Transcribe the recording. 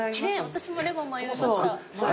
私もレモン迷いました。